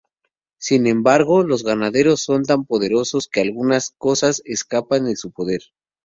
Sin embargo, los ganaderos son tan poderosos que algunas cosas escapan de su poder.